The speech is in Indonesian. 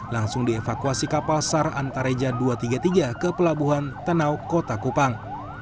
langsung dievakuasi kapal sar antareja dua ratus tiga puluh tiga ke pelabuhan tenau kota kupang